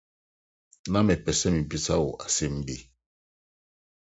Ná mepɛ sɛ mibisa wo asɛm bi.